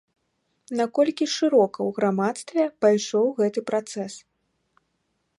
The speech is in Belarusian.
Наколькі шырока ў грамадстве пайшоў гэты працэс?